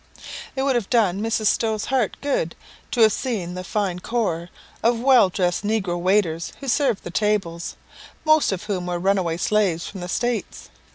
It would have done Mrs. Stowe's heart good to have seen the fine corps of well dressed negro waiters who served the tables, most of whom were runaway slaves from the States.